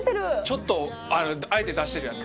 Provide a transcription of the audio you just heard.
ちょっとあえて出してるやつ。